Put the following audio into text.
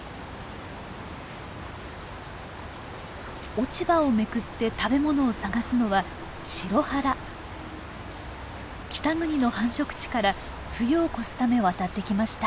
落ち葉をめくって食べ物を探すのは北国の繁殖地から冬を越すため渡ってきました。